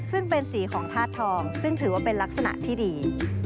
ซึ่งเป็นสีของธาตุทองซึ่งถือว่าเป็นลักษณะที่ดี